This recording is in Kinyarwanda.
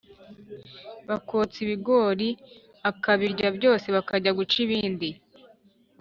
Bakotsa ibigori akabirya byose bakajya guca ibindi.